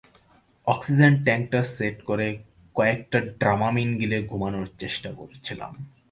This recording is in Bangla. অক্সিজেন ট্যাঙ্কটা সেট করে কয়েকটা ড্রামামিন গিলে ঘুমানোর চেষ্টা করছিলাম।